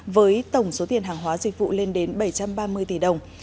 với tổng số tiền hàng hóa dịch vụ lên đến bảy trăm ba mươi tỷ đồng